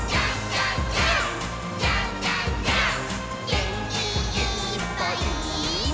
「げんきいっぱいもっと」